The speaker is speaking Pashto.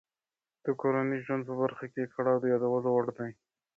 د کورني ژوند په برخه کې یې کړاو د یادولو دی.